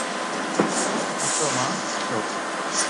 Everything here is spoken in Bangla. আসো মা, আসো।